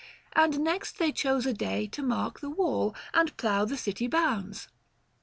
And next they chose a day to mark the wall, And plough the city bounds.